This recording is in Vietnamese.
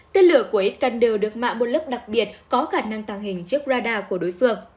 tên lửa của iskander được mạng một lớp đặc biệt có khả năng tàng hình trước radar của đối phương